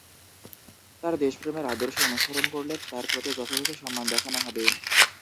তাঁর দেশপ্রেমের আদর্শ অনুসরণ করলে তাঁর প্রতি যথাযথ সম্মান দেখানো হবে।